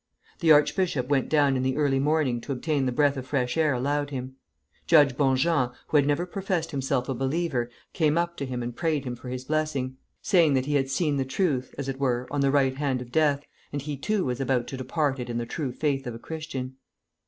The archbishop went down in the early morning to obtain the breath of fresh air allowed him. Judge Bonjean, who had never professed himself a believer, came up to him and prayed him for his blessing, saying that he had seen the truth, as it were on the right hand of Death, and he too was about to depart in the true faith of a Christian.